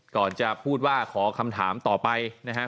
ก่อนจะพูดว่าขอคำถามต่อไปนะครับ